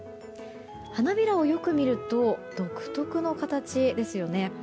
花びらをよく見ると独特の形ですよね。